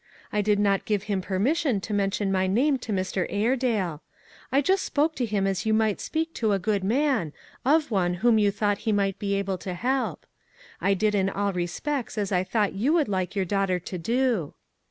I did not give him permission to mention my name to Mr. Airedale. I just spoke to him as you might speak to a good man, of one whom }Tou thought he might be able to help. I did in all respects as I thought you would like your daughter to do."